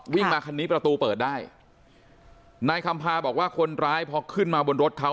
วิ่งมาคันนี้ประตูเปิดได้นายคำพาบอกว่าคนร้ายพอขึ้นมาบนรถเขา